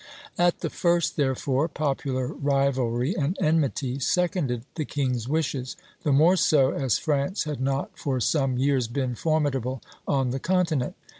At the first, therefore, popular rivalry and enmity seconded the king's wishes; the more so as France had not for some years been formidable on the continent.